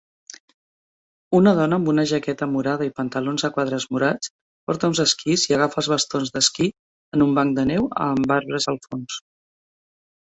Una dona amb una jaqueta morada i pantalons a quadres morats porta uns esquís i agafa els bastons d'esquí en un banc de neu amb arbres al fons